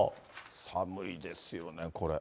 寒いですよね、これ。